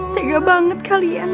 tega banget kalian